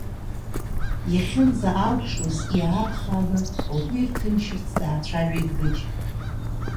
Иахьынӡа алшоз иаархааны лгәы ирҭынчырц даацәажәеит Гыџь.